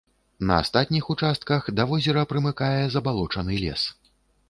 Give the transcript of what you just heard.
На астатніх участках да возера прымыкае забалочаны лес.